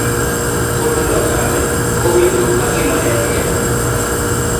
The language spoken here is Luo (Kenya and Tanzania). kocho nochame ma owinjo ka gima en kende